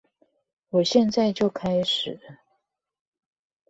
我現在就開始